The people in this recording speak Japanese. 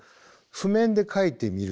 譜面で書いてみる。